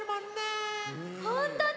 ほんとだ！